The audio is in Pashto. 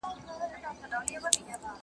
¬ مه وکې ها منډه، چي دي کونه سي بربنډه.